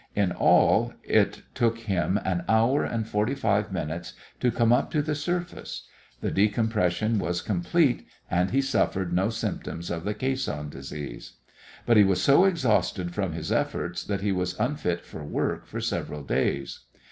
In all, it took him an hour and forty five minutes to come up to the surface. The decompression was complete and he suffered no symptoms of the "Caisson Disease." But he was so exhausted from his efforts that he was unfit for work for several days.